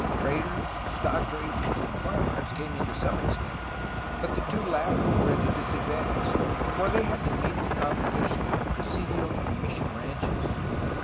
Traders, stock raisers, and farmers came in to some extent, but the two latter were at a disadvantage, for they had to meet the com petition of presidial and mission ranches.